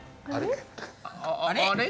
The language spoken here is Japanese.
あれ？